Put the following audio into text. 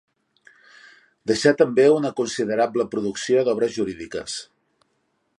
Deixà també una considerable producció d'obres jurídiques.